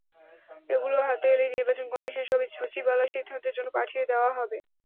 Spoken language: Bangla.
এগুলো হাতে এলেই নির্বাচন কমিশন সচিবালয়ে সিদ্ধান্তের জন্য পাঠিয়ে দেওয়া হবে।